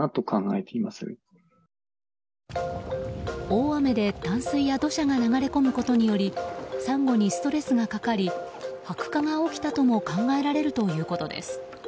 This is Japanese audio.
大雨で淡水や土砂が流れ込むことによりサンゴにストレスがかかり白化が起きたとも考えられるということです。